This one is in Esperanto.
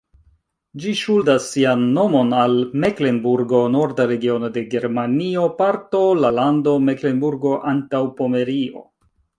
Ĝi ŝuldas sian nomon al Meklenburgo, norda regiono de Germanio, parto la lando Meklenburgo-Antaŭpomerio.